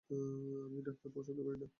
আমি ডাক্তার পছন্দ করি না।